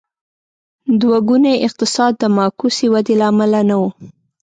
دوه ګونی اقتصاد د معکوسې ودې له امله نه و.